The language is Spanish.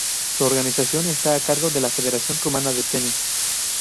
Su organización está a cargo de la Federación Rumana de Tenis.